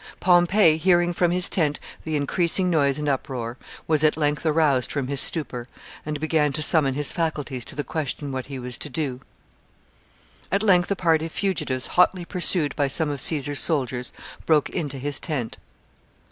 Pompey, hearing from his tent the increasing noise and uproar, was at length aroused from his stupor, and began to summon his faculties to the question what he was to do. At length a party of fugitives, hotly pursued by some of Caesar's soldiers, broke into his tent.